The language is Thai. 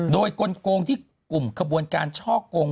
โดยกลงที่กลุ่มขบวนการช่อกง